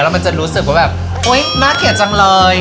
มันจะรู้สึกว่าแบบอุ๊ยน่าเกลียดจังเลย